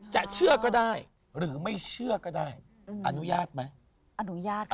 จะเชื่อก็ได้หรือไม่เชื่อก็ได้อนุญาตไหม